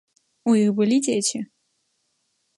У іх былі дзеці?